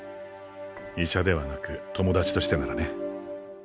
医者ではなく友達としてならね。